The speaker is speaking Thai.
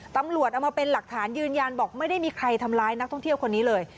ตำรวจเอามาเป็นหลักฐานยืนยันบอกไม่ได้มีใครทำร้ายนักท่องเที่ยวคนนี้เลย